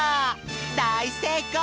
だいせいこう！